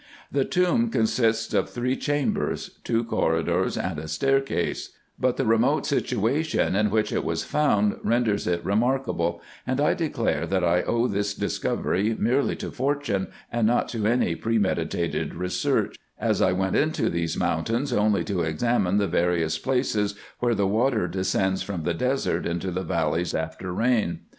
The tomb consists of three chambers, two corridors, and a staircase ; but the remote situation in which it was found renders it remarkable : and I declare, that I owe this discovery merely to fortune, not to any premeditated research, as I went into these mountains only to examine the various places, where the water descends from the desert into the valleys after rain.